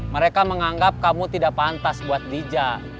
mereka menganggap kamu tidak pantas buat bijak